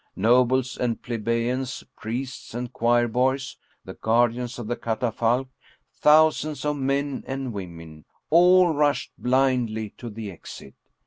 Nobles and plebeians, priests and choir boys, the guardians of the catafalque, thousands of men and women all rushed blindly to the exit.